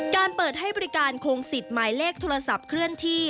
การเปิดให้บริการคงสิทธิ์หมายเลขโทรศัพท์เคลื่อนที่